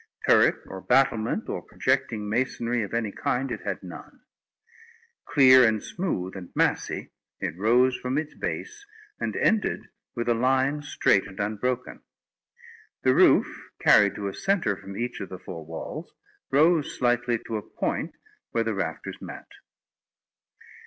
Turret or battlement, or projecting masonry of any kind, it had none. Clear and smooth and massy, it rose from its base, and ended with a line straight and unbroken. The roof, carried to a centre from each of the four walls, rose slightly to the point where the rafters met.